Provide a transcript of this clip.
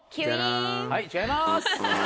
はい違います！